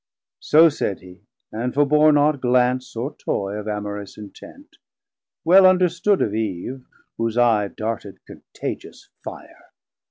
So said he, and forbore not glance or toy Of amorous intent, well understood Of Eve, whose Eye darted contagious Fire.